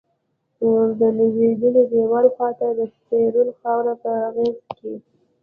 د لویدلیی دیوال خواتہ د سپیرو خاور پہ غیز کیی